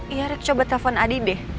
iya rick coba telepon adi deh